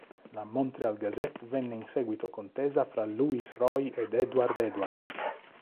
La "Montreal Gazette" venne in seguito contesa fra Louis Roy ed Edward Edwards.